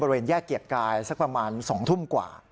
บริเวณแยกเกียรติกายสักประมาณ๒ทุ่มกว่า